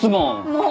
もう！